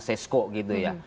sesko gitu ya